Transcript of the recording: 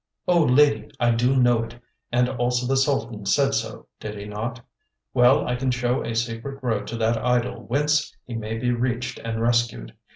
"O Lady, I do know it, and also the Sultan said so, did he not? Well, I can show a secret road to that idol whence he may be reached and rescued.